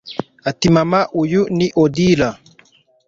atimama uyu ni odila